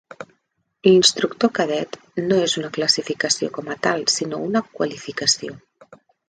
L'Instructor Cadet no és una classificació com a tal, sinó una qualificació.